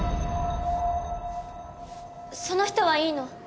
その人はいいの。